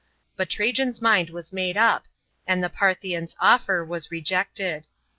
But Trajan's mind was made up, and the Partisan's offer was rejected.